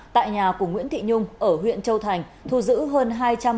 tại nhà của nguyễn thị nhung ở huyện châu thành thu giữ hơn hai trăm bốn mươi triệu đồng